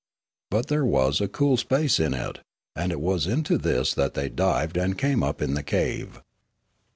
But there was a cool space in it, and it was into this that they dived and came up in the cave.